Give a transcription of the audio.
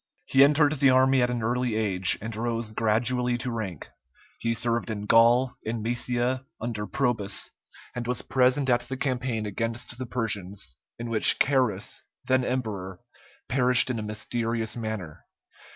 He entered the army at an early age, and rose gradually to rank; he served in Gaul, in Moesia, under Probus, and was present at the campaign against the Persians, in which Carus, then emperor, perished in a mysterious manner.